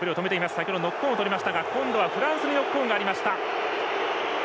先程ノックオンをとりましたが今度はフランスにノックオンがありました。